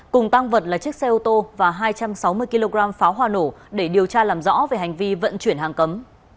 cùng tăng vật là chiếc xe ô tô và hai trăm sáu mươi kg pháo hoa nổ để điều tra làm rõ về hành vi vận chuyển hàng cấm